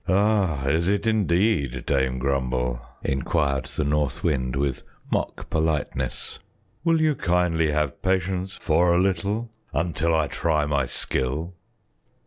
"Ah! is it indeed, Dame Grumble?" inquired the North Wind with mock politeness. "Will you kindly have patience for a little until I try my skill?"